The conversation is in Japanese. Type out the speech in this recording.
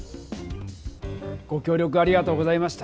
ごきょう力ありがとうございました。